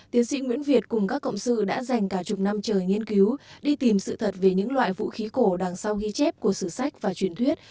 tiến sĩ nguyễn việt cùng các cộng sự đã dành cả chục năm trời nghiên cứu đi tìm sự thật về những loại vũ khí cổ đằng sau ghi chép của sử sách và truyền thuyết